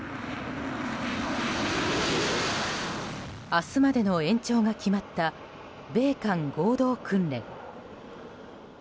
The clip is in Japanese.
明日までの延長が決まった米韓合同訓練。